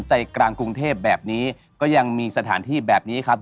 ใจกลางกรุงเทพแบบนี้ก็ยังมีสถานที่แบบนี้ครับ